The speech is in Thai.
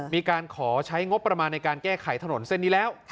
มีการขอใช้งบประมาณในการแก้ไขถนนเส้นนี้แล้ว